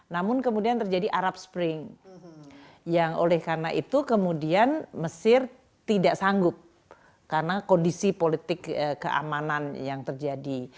namun kemudian terjadi arab spring yang oleh karena itu kemudian mesir tidak sanggup karena kondisi politik keamanan yang terjadi